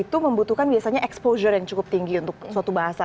itu membutuhkan biasanya exposure yang cukup tinggi untuk suatu bahasa